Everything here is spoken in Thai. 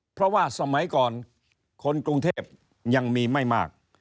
เพราะว่าสมัยก่อนคนกรุงเทพยังมีไม่มาก